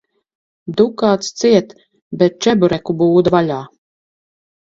Dukāts ciet, bet čebureku būda vaļā.